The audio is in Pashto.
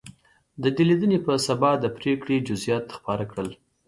د دې لیدنې په سبا د پرېکړې جزییات خپاره کړل.